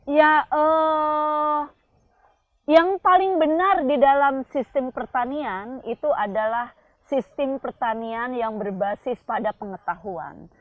ya yang paling benar di dalam sistem pertanian itu adalah sistem pertanian yang berbasis pada pengetahuan